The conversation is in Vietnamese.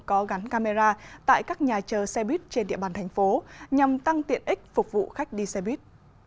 có gắn camera tại các nhà chờ xe buýt trên địa bàn thành phố nhằm tăng tiện ích phục vụ khách đi xe buýt